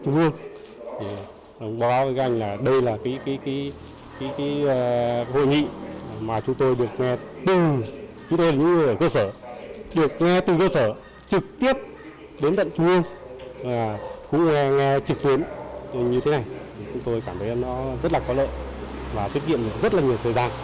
chúng tôi cảm thấy nó rất là có lợi và tiết kiệm rất là nhiều thời gian